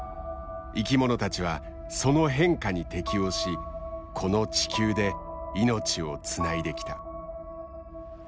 生きものたちはその変化に適応しこの地球で命をつないできた。